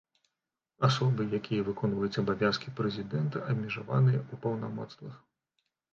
Асобы, якія выконваюць абавязкі прэзідэнта, абмежаваныя ў паўнамоцтвах.